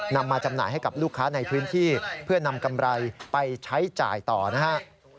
มาจำหน่ายให้กับลูกค้าในพื้นที่เพื่อนำกำไรไปใช้จ่ายต่อนะฮะ